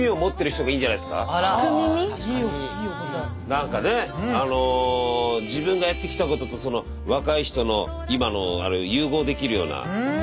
何かねあの自分がやってきたこととその若い人の今のあれを融合できるような。